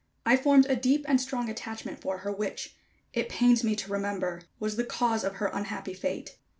I formed a deep and strong attachment for her, which, it pains me to remember, was the cause of her unhappy fate.